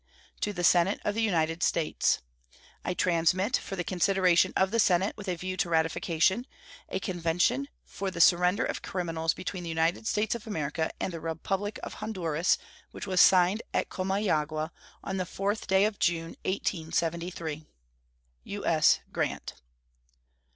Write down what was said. To the Senate of the United States: I transmit, for the consideration of the Senate with a view to ratification, a convention for the surrender of criminals between the United States of America and the Republic of Honduras, which was signed at Comayagua on the 4th day of June, 1873. U.S. GRANT.